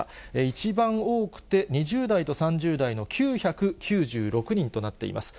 一番多くて２０代と３０代の９９６人となっています。